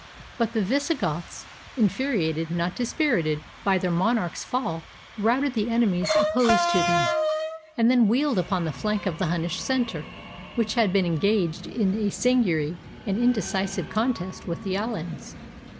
But the Visigoths, infuri ated, not dispirited, by their monarch's fall, routed the enemies opposed to them, and then wheeled upon the flank of the Hunnish center, which had been engaged in a sanguinary and indecisive contest with the Alans.